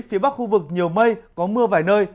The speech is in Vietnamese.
phía bắc khu vực nhiều mây có mưa vài nơi